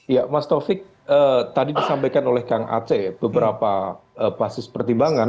ya mas taufik tadi disampaikan oleh kang aceh beberapa pasis pertimbangan